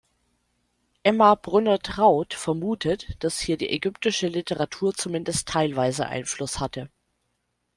Emma Brunner-Traut vermutet, dass hier die ägyptische Literatur zumindest teilweise Einfluss hatte.